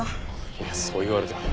いやそう言われても。